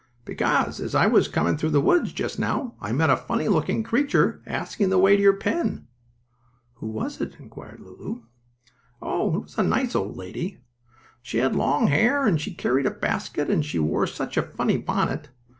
"Because, as I was coming through the woods just now I met a funny looking creature asking the way to your pen." "Who was it?" inquired Lulu. "Oh, it was a nice old lady. She had long hair and she carried a basket and she wore such a funny bonnet!